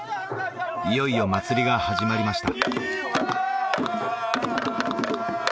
いよいよ祭りが始まりました